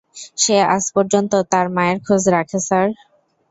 সে আজপর্যন্ত তার মায়ের খুঁজ রাখে, স্যার।